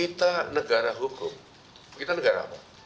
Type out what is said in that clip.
kita negara hukum kita negara apa